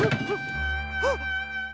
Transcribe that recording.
あっ！